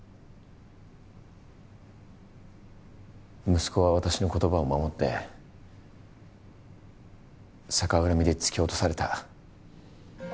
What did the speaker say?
息子は私の言葉を守って逆恨みで突き落とされた。